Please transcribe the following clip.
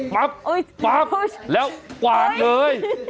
ปั๊บปั๊บแล้วกวาดเลย